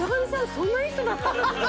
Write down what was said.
そんないい人だったんだって。